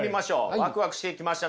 ワクワクしてきました。